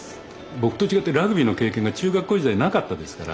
僕と違ってラグビーの経験が中学校時代なかったですから。